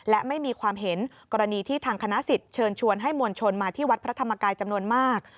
และไม่มีความเห็นกรณีที่ทางคณะสิทธิ์เชิญชวนให้มวลชนมาที่วัดพระธรรมกายจำนวนมาก